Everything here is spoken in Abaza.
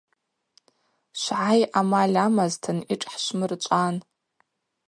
Швгӏай амаль амазтын йшӏхӏшвмырчӏван.